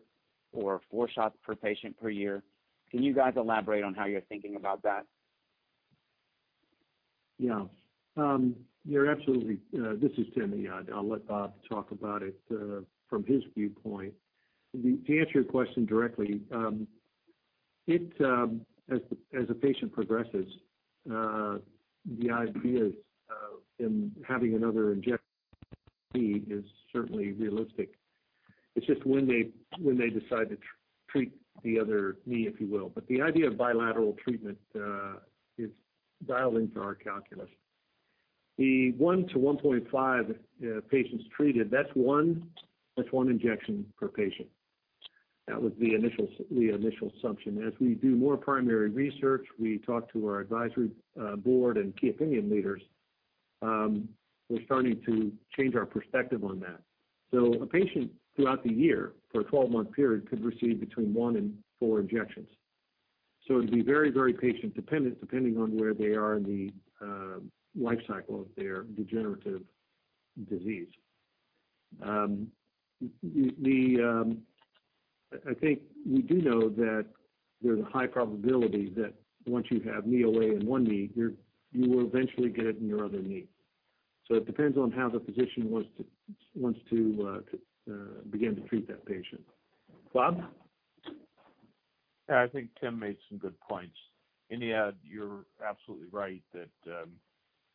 or four shots per patient per year? Can you guys elaborate on how you're thinking about that? This is Tim, Eiad. I'll let Bob talk about it from his viewpoint. To answer your question directly, as a patient progresses, the idea of them having another injection is certainly realistic. It's just when they decide to treat the other knee, if you will. The idea of bilateral treatment is dialed into our calculus. The 1 to 1.5 patients treated, that's one injection per patient. That was the initial assumption. As we do more primary research, we talk to our advisory board and key opinion leaders, we're starting to change our perspective on that. A patient throughout the year for a 12-month period could receive between one and four injections. It'd be very patient dependent, depending on where they are in the life cycle of their degenerative disease. I think we do know that there's a high probability that once you have Knee OA in one knee, you will eventually get it in your other knee. It depends on how the physician wants to begin to treat that patient. Bob? Yeah, I think Tim made some good points. Eiad, you're absolutely right that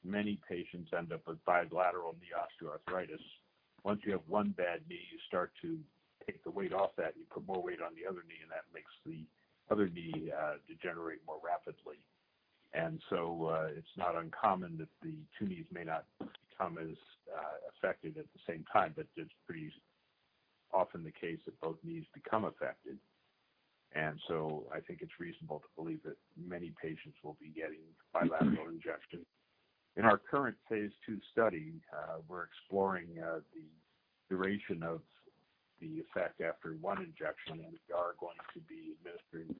many patients end up with bilateral Knee Osteoarthritis. Once you have one bad knee, you start to take the weight off that, and you put more weight on the other knee, and that makes the other knee degenerate more rapidly. It's not uncommon that the two knees may not become as affected at the same time, but it's pretty often the case that both knees become affected. I think it's reasonable to believe that many patients will be getting bilateral injections. In our current phase II study, we're exploring the duration of the effect after one injection, and we are going to be administering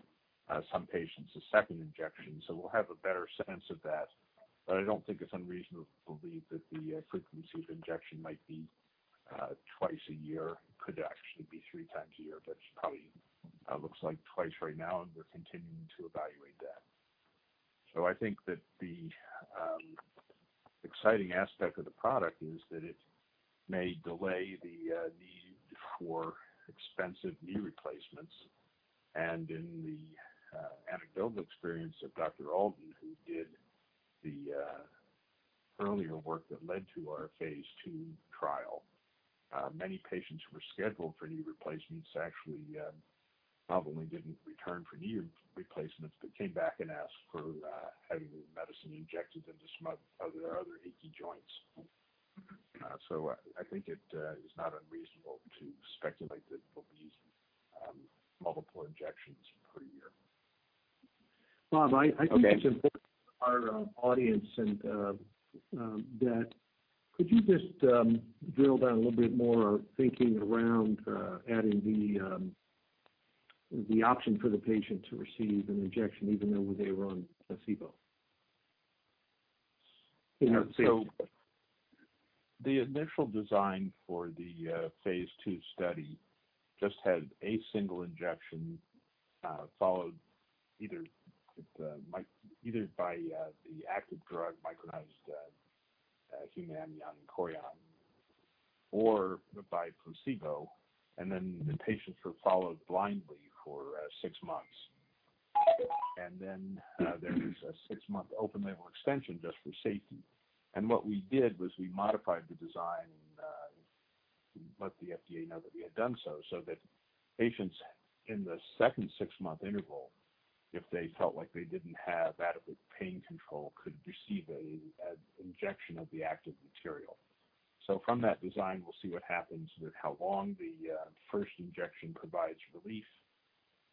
some patients a second injection. We'll have a better sense of that. I don't think it's unreasonable to believe that the frequency of injection might be twice a year. Could actually be three times a year, but it probably looks like twice right now, and we're continuing to evaluate that. I think that the exciting aspect of the product is that it may delay the need for expensive knee replacements. In the anecdotal experience of Dr. Alden, who did the earlier work that led to our phase II trial, many patients who were scheduled for knee replacements actually not only didn't return for knee replacements but came back and asked for having medicine injected into some of their other achy joints. I think it is not unreasonable to speculate that we'll be using multiple injections per year. Bob, I think it's important for our audience that could you just drill down a little bit more thinking around adding the option for the patient to receive an injection even though they were on placebo? The initial design for the phase II study just had a single injection followed either by the active drug, micronized human amniotic allograft or by placebo. The patients were followed blindly for six months. There was a six-month open-label extension just for safety. What we did was we modified the design and let the FDA know that we had done so that patients in the second six-month interval, if they felt like they didn't have adequate pain control, could receive an injection of the active material. From that design, we'll see what happens with how long the first injection provides relief,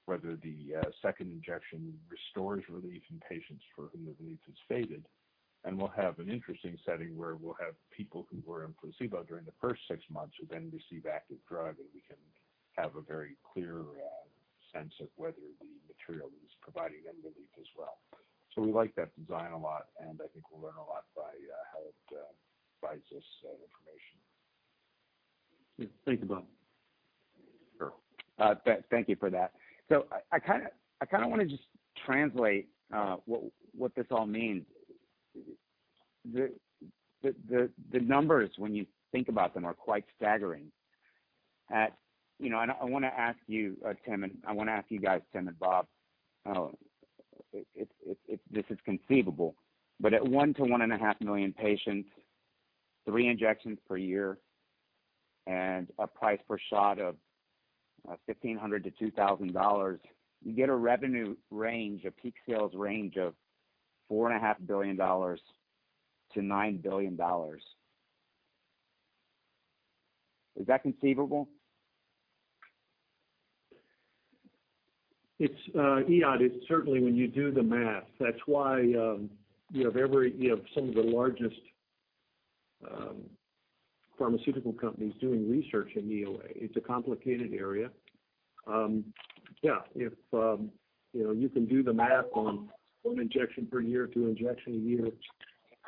whether the second injection restores relief in patients for whom the relief has faded. We'll have an interesting setting where we'll have people who were on placebo during the first six months who then receive active drug, and we can have a very clear sense of whether the material is providing them relief as well. We like that design a lot, and I think we'll learn a lot by how it provides us that information. Thanks, Bob. Sure. Thank you for that. I kind of want to just translate what this all means. The numbers, when you think about them, are quite staggering. I want to ask you guys, Tim and Bob, if this is conceivable, but at 1 million to 1.5 million patients, three injections per year, and a price per shot of $1,500-$2,000, you get a revenue range, a peak sales range of $4.5 billion-$9 billion. Is that conceivable? Eiad, certainly when you do the math. That's why you have some of the largest pharmaceutical companies doing research in Knee OA. It's a complicated area. Yeah, if you can do the math on one injection per year, two injections a year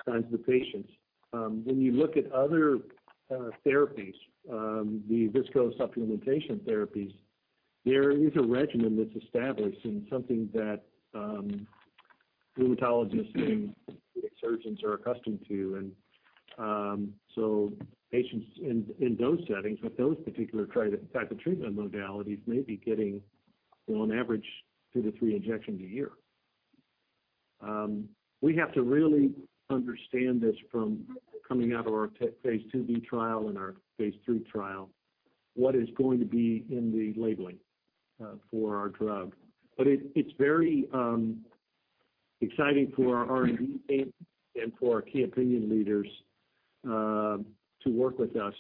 times the patients. When you look at other therapies, the viscosupplementation therapies, there is a regimen that's established and something that rheumatologists and surgeons are accustomed to. Patients in those settings with those particular type of treatment modalities may be getting on average two to three injections a year. We have to really understand this from coming out of our phase II-B trial and our phase III trial, what is going to be in the labeling for our drug. It's very exciting for our R&D team and for our key opinion leaders to work with us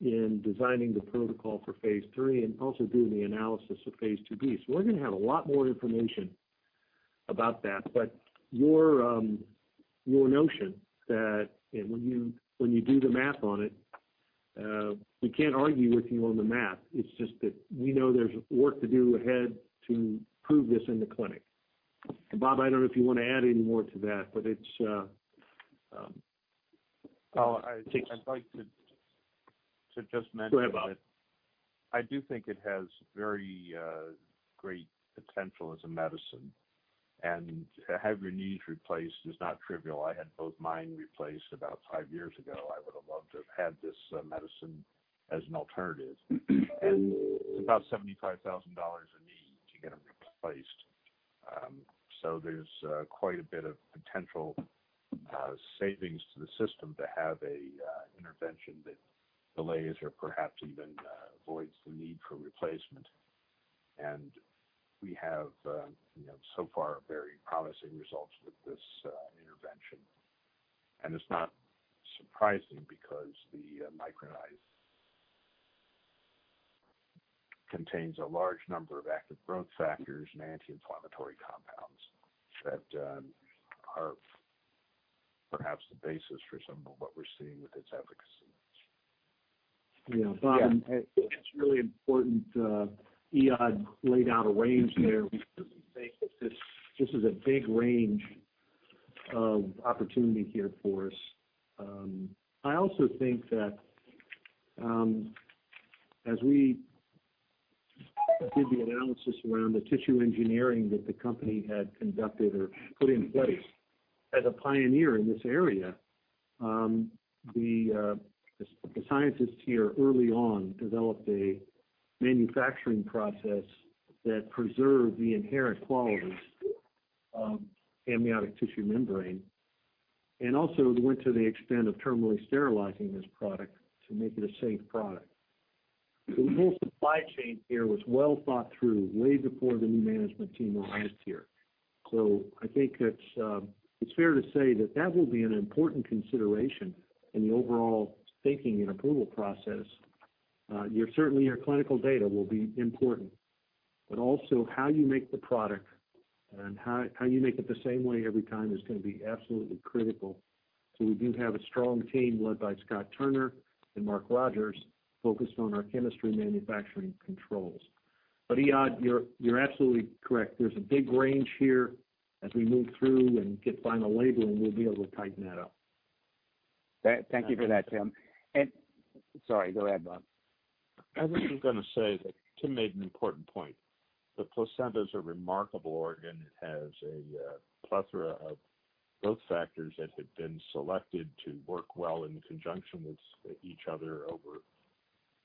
in designing the protocol for phase III and also doing the analysis of phase II-B. We're going to have a lot more information about that. Your notion that when you do the math on it, we can't argue with you on the math. It's just that we know there's work to do ahead to prove this in the clinic. Bob, I don't know if you want to add any more to that. I'd like to just. Go ahead, Bob I do think it has very great potential as a medicine, and to have your knees replaced is not trivial. I had both mine replaced about five years ago. I would have loved to have had this medicine as an alternative. It's about $75,000 a knee to get them replaced. There's quite a bit of potential savings to the system to have an intervention that delays or perhaps even avoids the need for replacement. We have so far very promising results with this intervention, and it's not surprising because the micronized contains a large number of active growth factors and anti-inflammatory compounds that are perhaps the basis for some of what we're seeing with its efficacy. Yeah, Bob, I think it's really important Eiad laid out a range there. We certainly think that this is a big range of opportunity here for us. I also think that as we did the analysis around the tissue engineering that the company had conducted or put in place as a pioneer in this area the scientists here early on developed a manufacturing process that preserved the inherent qualities of amniotic tissue membrane and also went to the extent of terminally sterilizing this product to make it a safe product. The whole supply chain here was well thought through way before the new management team arrived here. I think it's fair to say that will be an important consideration in the overall thinking and approval process. Certainly, your clinical data will be important, but also how you make the product and how you make it the same way every time is going to be absolutely critical. We do have a strong team led by Scott Turner and Mark Rogers focused on our chemistry and manufacturing controls. Eiad, you're absolutely correct. There's a big range here. As we move through and get final labeling, we'll be able to tighten that up. Thank you for that, Tim. Sorry, go ahead, Bob. I was just going to say that Tim made an important point. The placenta is a remarkable organ. It has a plethora of growth factors that have been selected to work well in conjunction with each other over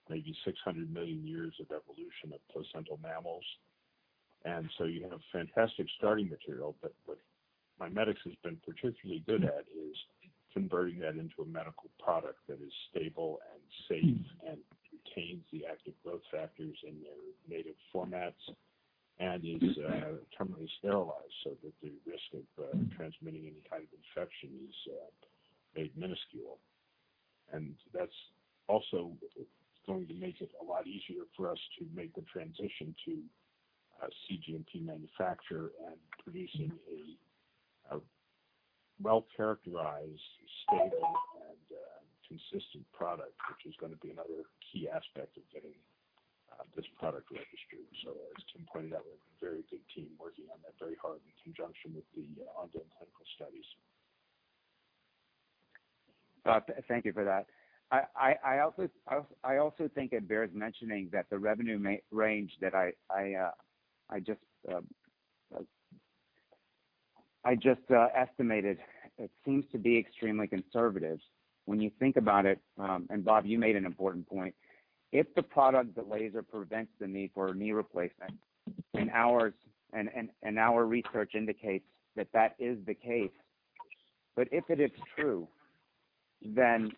maybe 600 million years of evolution of placental mammals. You have fantastic starting material. What MiMedx has been particularly good at is converting that into a medical product that is stable and safe and contains the active growth factors in their native formats and is terminally sterilized so that the risk of transmitting any kind of infection is made minuscule. That's also going to make it a lot easier for us to make the transition to cGMP manufacture and producing a well-characterized, stable, and consistent product, which is going to be another key aspect of getting this product registered. As Tim pointed out, we have a very good team working on that very hard in conjunction with the ongoing clinical studies. Bob, thank you for that. I also think it bears mentioning that the revenue range that I just estimated seems to be extremely conservative when you think about it. Bob, you made an important point. If the product delays or prevents the need for a knee replacement, and our research indicates that is the case, but if it is true, then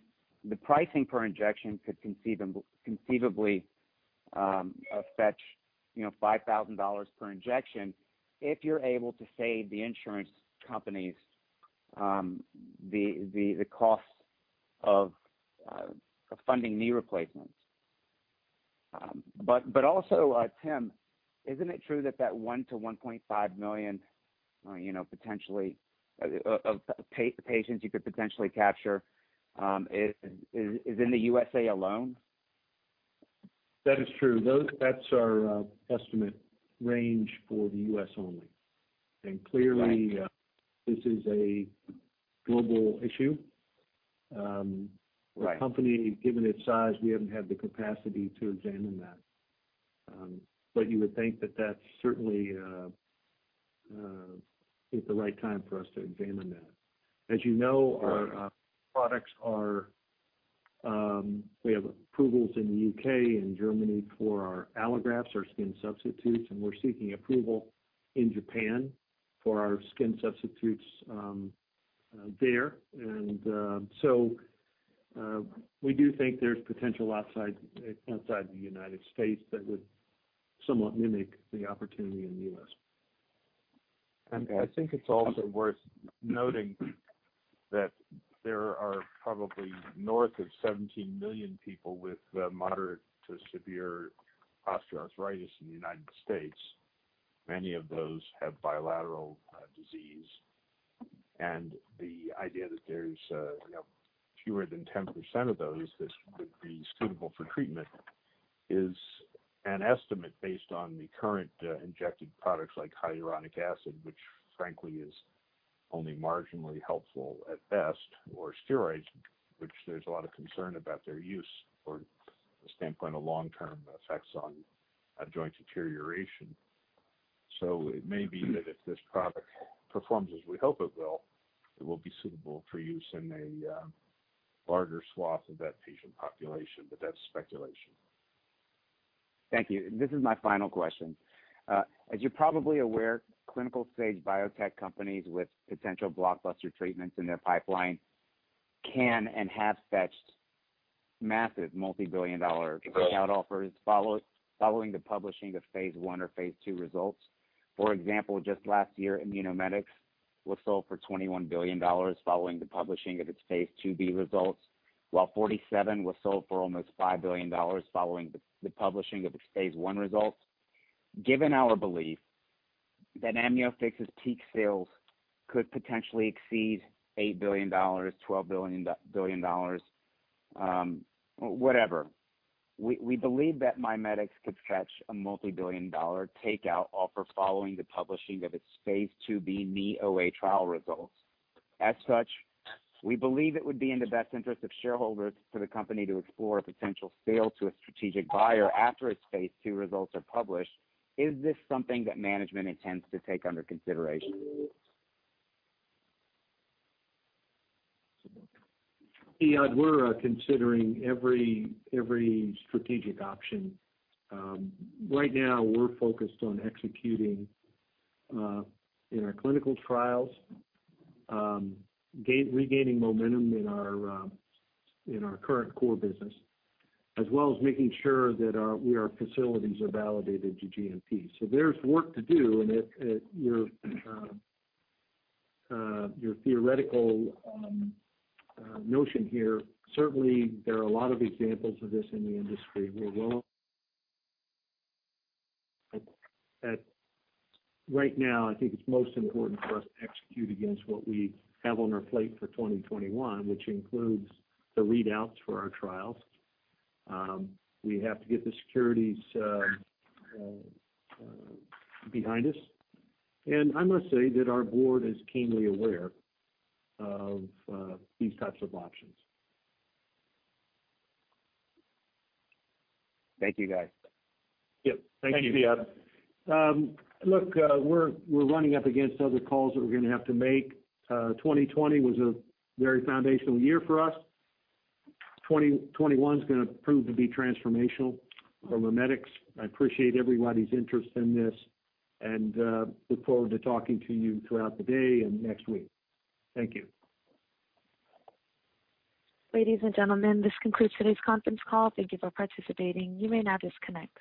the pricing per injection could conceivably fetch $5,000 per injection if you're able to save the insurance companies the cost of funding knee replacements. Tim, isn't it true that that one to 1.5 million of patients you could potentially capture is in the U.S.A. alone? That is true. That's our estimate range for the U.S. only. Clearly, this is a global issue. Right. The company, given its size, we haven't had the capacity to examine that. You would think that that's certainly the right time for us to examine that. Right Our products we have approvals in the U.K. and Germany for our allografts, our skin substitutes. We're seeking approval in Japan for our skin substitutes there. We do think there's potential outside the United States that would somewhat mimic the opportunity in the U.S. Okay. I think it's also worth noting that there are probably north of 17 million people with moderate to severe osteoarthritis in the U.S. Many of those have bilateral disease, and the idea that there's fewer than 10% of those that would be suitable for treatment is an estimate based on the current injected products like hyaluronic acid, which frankly is only marginally helpful at best, or steroids, which there's a lot of concern about their use from the standpoint of long-term effects on joint deterioration. It may be that if this product performs as we hope it will, it will be suitable for use in a larger swath of that patient population, but that's speculation. Thank you. This is my final question. As you're probably aware, clinical-stage biotech companies with potential blockbuster treatments in their pipeline can and have fetched massive multibillion-dollar- Right takeout offers following the publishing of phase I or phase II results. For example, just last year, Immunomedics was sold for $21 billion following the publishing of its phase II-B results, while Forty Seven was sold for almost $5 billion following the publishing of its phase I results. Given our belief that AmnioFix's peak sales could potentially exceed $8 billion, $12 billion, whatever, we believe that MiMedx could fetch a multibillion-dollar takeout offer following the publishing of its phase II-B KOA trial results. We believe it would be in the best interest of shareholders for the company to explore a potential sale to a strategic buyer after its phase II results are published. Is this something that management intends to take under consideration? Eiad, we're considering every strategic option. Right now, we're focused on executing in our clinical trials, regaining momentum in our current core business, as well as making sure that our facilities are validated to GMP. There's work to do, and your theoretical notion here, certainly, there are a lot of examples of this in the industry. Right now, I think it's most important for us to execute against what we have on our plate for 2021, which includes the readouts for our trials. We have to get the securities behind us, and I must say that our board is keenly aware of these types of options. Thank you, guys. Yep. Thank you. Thank you, Eiad. Look, we're running up against other calls that we're going to have to make. 2020 was a very foundational year for us. 2021's going to prove to be transformational for MiMedx. I appreciate everybody's interest in this and look forward to talking to you throughout the day and next week. Thank you. Ladies and gentlemen, this concludes today's conference call. Thank you for participating. You may now disconnect.